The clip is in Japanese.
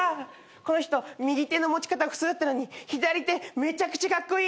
この人右手の持ち方普通だったのに左手めちゃくちゃカッコイイ。